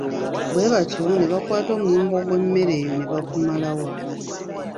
Bwe batyo ne bakwata omuwumbo gw’emmere eyo ne bagumalawo.